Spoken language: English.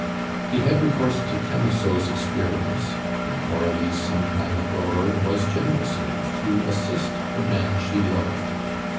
He had recourse to Camusot's experience, and Coralie's sometime adorer was generous enough to assist the man she loved.